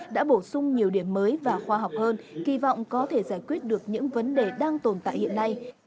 đã bổ sung nhiều điểm mới và khoa học hơn kỳ vọng có thể giải quyết được những vấn đề đang tồn tại hiện nay